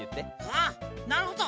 ああなるほど。